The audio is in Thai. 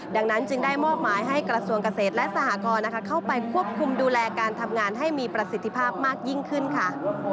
ดังนั้นจึงได้มอบหมายให้กระทรวงเกษตรและสหกรเข้าไปควบคุมดูแลการทำงานให้มีประสิทธิภาพมากยิ่งขึ้นค่ะ